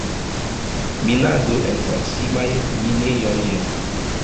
Minado en proksimaj minejoj.